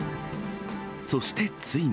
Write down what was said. そしてついに。